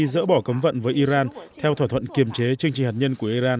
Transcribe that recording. dỡ bỏ cấm vận với iran theo thỏa thuận kiềm chế chương trình hạt nhân của iran